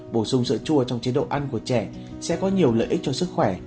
bổ sung sữa chua trong chế độ ăn của trẻ sẽ có nhiều lợi ích cho sức khỏe